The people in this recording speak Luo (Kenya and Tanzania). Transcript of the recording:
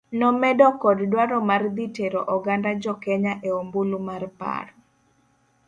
Nomedo kod dwaro mar dhi tero oganda jokenya e ombulu mar paro.